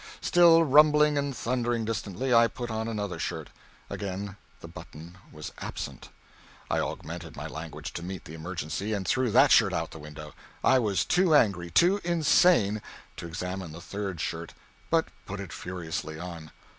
Still rumbling and thundering distantly, I put on another shirt. Again the button was absent. I augmented my language to meet the emergency, and threw that shirt out of the window. I was too angry too insane to examine the third shirt, but put it furiously on.